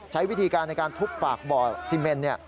ใช้วิธีการในการทุบปากบ่อซีเมน